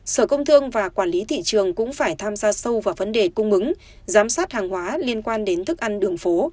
sở công thương và quản lý thị trường cũng phải tham gia sâu vào vấn đề cung ứng giám sát hàng hóa liên quan đến thức ăn đường phố